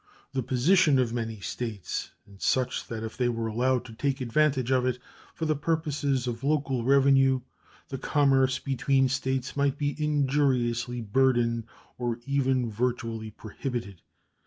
The position of many States is such that if they were allowed to take advantage of it for purposes of local revenue the commerce between States might be injuriously burdened, or even virtually prohibited.